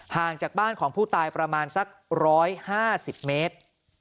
ห่างจากบ้านของผู้ตายประมาณสัก๑๕๐เมตร